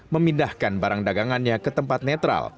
memindahkan barang dagangannya ke tempat netral